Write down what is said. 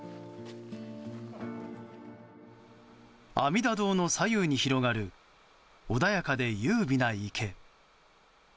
阿弥陀堂の左右に広がる穏やかで優美な池。